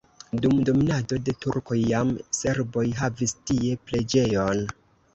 Dum dominado de turkoj jam serboj havis tie preĝejon.